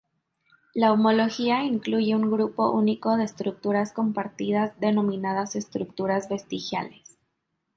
La homología incluye un grupo único de estructuras compartidas denominadas estructuras vestigiales.